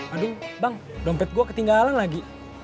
aduh bang dompet gue ketinggalan lagi